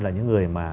là những người mà